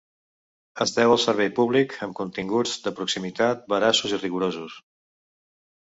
Es deu al servei públic amb continguts de proximitat, veraços i rigorosos.